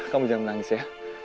kamu jangan menangis ya